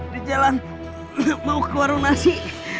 di jalan maukwaru nasi